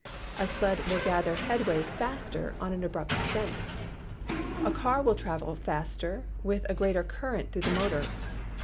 A sled will gather headway faster on an 30 PHYSICS abrupt descent. A car will travel faster with a greater current through the motor.